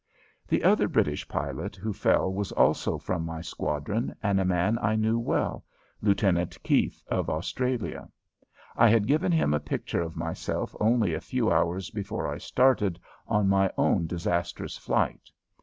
The other British pilot who fell was also from my squadron and a man I knew well Lieutenant Keith, of Australia. I had given him a picture of myself only a few hours before I started on my own disastrous flight.